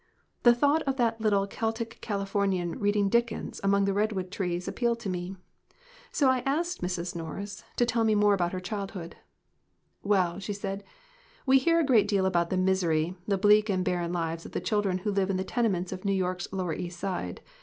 The thought of that little Celtic Californian reading Dickens among the redwood trees ap pealed to me. So I asked Mrs. Norris to tell more about her childhood. "Well," she said, "we hear a great deal about the misery, the bleak and barren lives of the chil dren who live in the tenements of New York's lower East Side.